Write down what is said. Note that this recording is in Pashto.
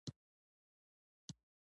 د تلپاتې وروسته پاتې والي سره یې مخ کړل.